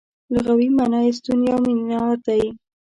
لغوي مانا یې ستون یا مینار دی.